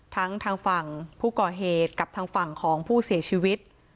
ทางฝั่งผู้ก่อเหตุกับทางฝั่งของผู้เสียชีวิต